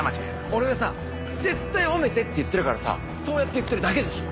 俺がさ絶対褒めてって言ってるからさそうやって言ってるだけでしょ。